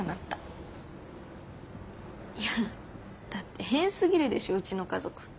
いやだって変すぎるでしょうちの家族。